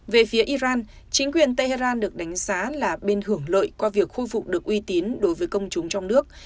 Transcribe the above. về phía iran chính quyền tehran được đánh giá là bên hưởng lợi qua việc khôi phục được uy tín đối với công chúng trong nước